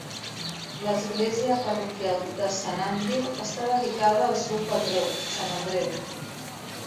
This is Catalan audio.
L'església parroquial de Saint Andrew, està dedicada al sant patró, Sant Andreu.